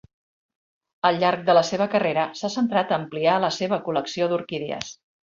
Al llarg de la seva carrera, s'ha centrat a ampliar la seva col·lecció d'orquídies.